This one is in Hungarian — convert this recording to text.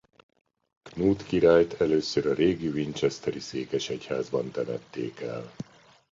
Knut királyt először a régi winchesteri székesegyházban temették el.